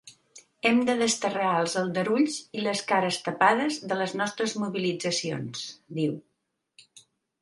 Hem de desterrar els aldarulls i les cares tapades de les nostres mobilitzacions, diu.